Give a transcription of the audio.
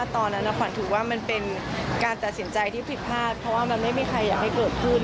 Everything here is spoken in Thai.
ตอนนั้นขวัญถือว่ามันเป็นการตัดสินใจที่ผิดพลาดเพราะว่ามันไม่มีใครอยากให้เกิดขึ้น